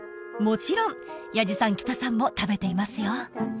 もちろん弥次さん喜多さんも食べていますよ